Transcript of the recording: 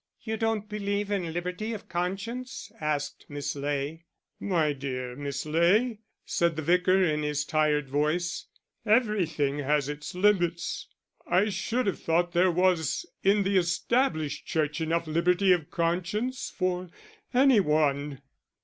"You don't believe in liberty of conscience?" asked Miss Ley. "My dear Miss Ley," said the Vicar, in his tired voice, "everything has its limits. I should have thought there was in the Established Church enough liberty of conscience for any one."